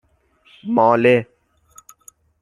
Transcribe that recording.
ماله